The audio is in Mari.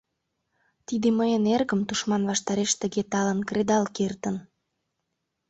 — Тиде мыйын эргым тушман ваштареш тыге талын кредал кертын!